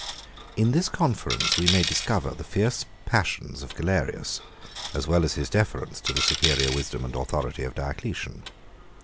In this conference we may discover the fierce passions of Galerius, as well as his deference to the superior wisdom and authority of Diocletian.